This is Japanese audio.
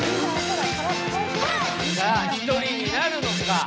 さあ、１人になるのか？